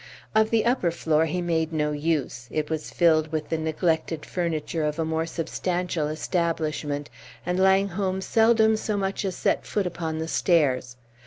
Of the upper floor he made no use; it was filled with the neglected furniture of a more substantial establishment, and Langholm seldom so much as set foot upon the stairs.